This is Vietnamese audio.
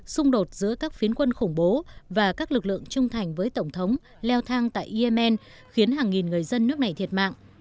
xung đột giữa các phiến quân khủng bố và các lực lượng trung thành với tổng thống leo thang tại yemen khiến hàng nghìn người dân nước này thiệt mạng